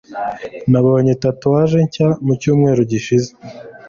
Nabonye tatouage nshya mu cyumweru gishize